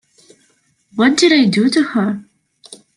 What did I do to her?